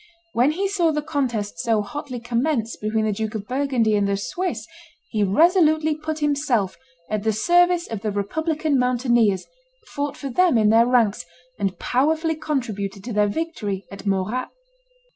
When he saw the contest so hotly commenced between the Duke of Burgundy and the Swiss, he resolutely put himself at the service of the republican mountaineers, fought for them in their ranks, and powerfully contributed to their victory at Morat.